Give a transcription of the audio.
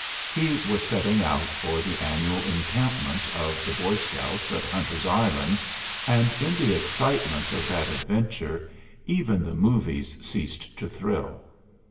He was setting out for the annual encampment of the Boy Scouts at Hunter's Island, and in the excitement of that adventure even the movies ceased to thrill.